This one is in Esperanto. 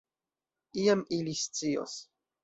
Iam ili scios.